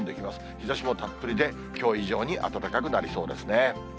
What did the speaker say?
日ざしもたっぷりで、きょう以上に暖かくなりそうですね。